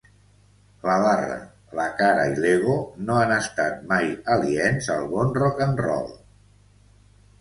La barra, la cara i l'ego no han estat mai aliens al bon rock-and-roll.